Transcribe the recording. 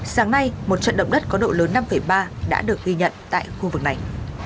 sáng nay một trận động đất có độ lớn năm ba đã được ghi nhận tại khu vực này